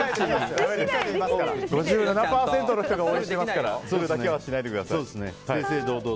５７％の人が応援してますからそれだけはしないでください。